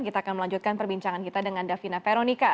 kita akan melanjutkan perbincangan kita dengan davina veronica